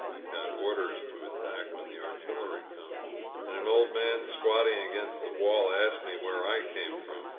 "We've got orders to attack when the artillery comes.'* An old man squatting against the wall asked me where I came from.